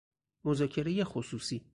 مذاکره خصوصی